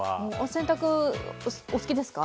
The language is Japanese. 洗濯、お好きですか？